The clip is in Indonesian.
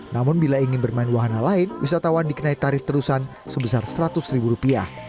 namun bila ingin bermain wahana lain wisatawan dikenai tarif terusan sebesar rp seratus